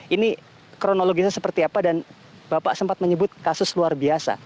ini kronologisnya seperti apa dan bapak sempat menyebut kasus luar biasa